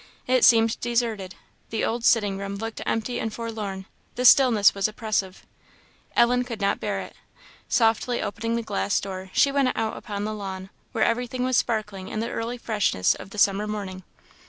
It seemed deserted; the old sitting room looked empty and forlorn the stillness was oppressive. Ellen could not bear it. Softly opening the glass door, she went out upon the lawn, where everything was sparkling in the early freshness of the summer morning.